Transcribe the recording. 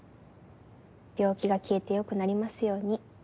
病気が消えて良くなりますように。